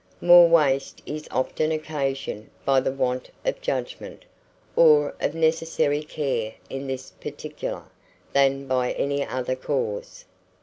More waste is often occasioned by the want of judgment, or of necessary care in this particular, than by any other cause.